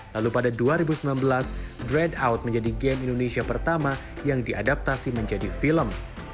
lalu pada dua ribu sembilan belas dreadout menjadi game indonesia pertama yang diadaptasi menjadi film